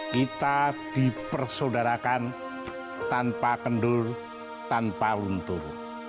kita dipersaudarakan tanpa kendur tanpa luntur